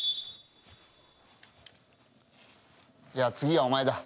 じゃあ次はお前だ。